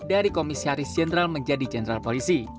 dari komisaris jenderal menjadi jenderal polisi